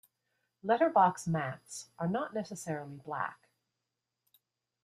Letterbox mattes are not necessarily black.